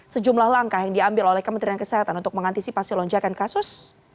sejumlah langkah yang diambil oleh kementerian kesehatan untuk mengantisipasi lonjakan kasus